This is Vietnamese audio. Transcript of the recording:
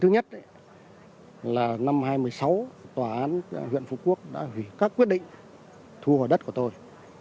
thứ nhất là năm hai nghìn một mươi sáu tòa án huyện phú quốc đã hủy các quyết định thu hồi đất của tôi